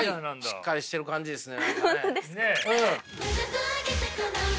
しっかりしてる感じですね。